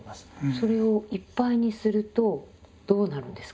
それをいっぱいにするとどうなるんですか？